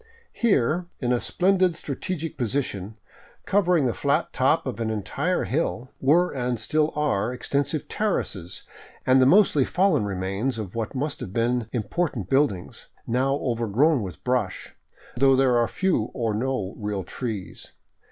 Here, in a splendid strategic position, covering the flat top of an entire hill, were and still are extensive terraces and the mostly fallen remains of what must have been im portant buildings, now overgrown with brush, though there are few or no real trees.